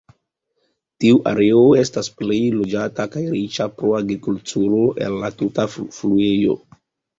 Tiu areo estas plej loĝata, kaj riĉa pro agrikulturo el la tuta fluejo.